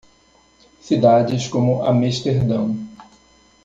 Cidades como Amesterdão